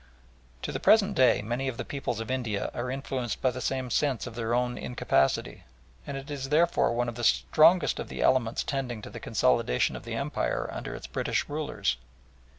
To the present day, many of the peoples of India are influenced by the same sense of their own incapacity, and it is there one of the strongest of the elements tending to the consolidation of the Empire under its British rulers.